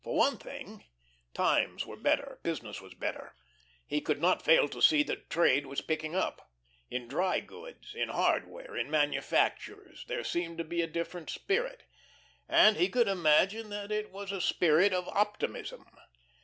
For one thing "times" were better, business was better. He could not fail to see that trade was picking up. In dry goods, in hardware, in manufactures there seemed to be a different spirit, and he could imagine that it was a spirit of optimism.